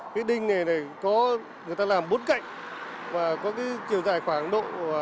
cái đinh này có người ta làm bốn cạnh và có chiều dài khoảng độ hai cm